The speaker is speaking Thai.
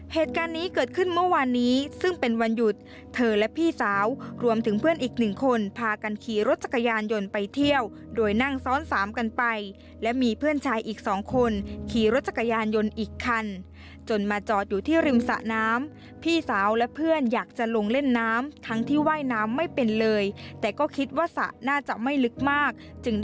เหตุการณ์นี้เกิดขึ้นเมื่อวานนี้ซึ่งเป็นวันหยุดเธอและพี่สาวรวมถึงเพื่อนอีกหนึ่งคนพากันขี่รถจักรยานยนต์ไปเที่ยวโดยนั่งซ้อนสามกันไปและมีเพื่อนชายอีกสองคนขี่รถจักรยานยนต์อีกคันจนมาจอดอยู่ที่ริมสะน้ำพี่สาวและเพื่อนอยากจะลงเล่นน้ำทั้งที่ว่ายน้ำไม่เป็นเลยแต่ก็คิดว่าสระน่าจะไม่ลึกมากจึงได้